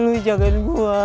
lu jagain gua